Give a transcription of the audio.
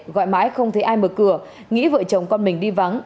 gọi mãi không thấy ai mở cửa nghĩ vợ chồng con mình đi vắng